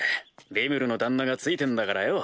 リムルの旦那がついてんだからよ。